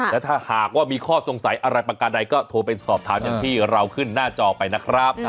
และถ้าหากว่ามีข้อสงสัยอะไรประการใดก็โทรไปสอบถามอย่างที่เราขึ้นหน้าจอไปนะครับ